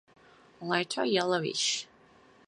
Elytra yellowish.